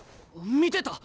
見てた！